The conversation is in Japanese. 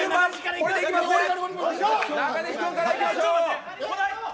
中西君からいきましょう。